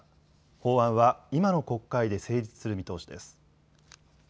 法案は今の国会で成立する見通しです。